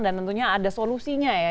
tentunya ada solusinya ya